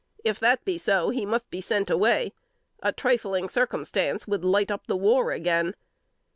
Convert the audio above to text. If that be so, he must be sent away; a trifling circumstance would _light up the war again.